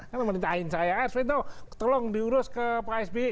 kalau memerintahkan saya arswane tolong diurus ke pak sby